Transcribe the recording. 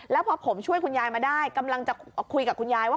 แล้วพอผมช่วยคุณยายมาได้กำลังจะคุยกับคุณยายว่า